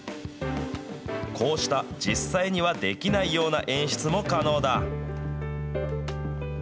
こうした実際にはできないような演出も可能だ。